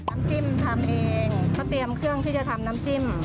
น้ำจิ้มทำเองเขาเตรียมเครื่องที่จะทำน้ำจิ้ม